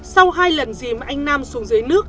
sau hai lần dìm anh nam xuống dưới nước